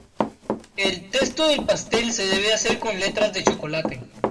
El texto del pastel se debe hacer con letras de chocolate.